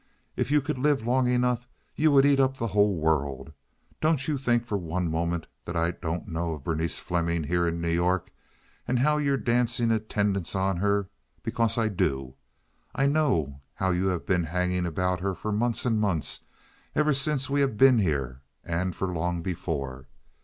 If you could live long enough you would eat up the whole world. Don't you think for one moment that I don't know of Berenice Fleming here in New York, and how you're dancing attendance on her—because I do. I know how you have been hanging about her for months and months—ever since we have been here, and for long before.